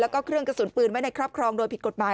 แล้วก็เครื่องกระสุนปืนไว้ในครอบครองโดยผิดกฎหมาย